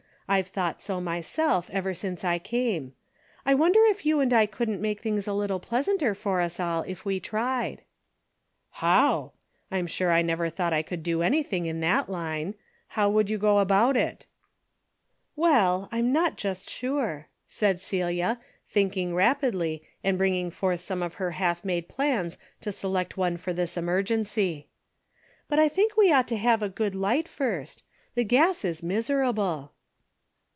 I've thought so myself, ever since I came. I wonder if you and I couldn't make things a little pleasanter for us all, if we tried." " How ? I'm sure I never thought I could do anything in that line. How would you go about it?" 52 DAILY BATEA* "Well, I'm not just sure," said Celia, think ing rapidly and bringing forth some of her half made plans to select one for this emergency. " But I think we ought to have a good light first. The gas is miserable."